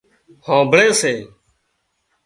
هانمڀۯي سي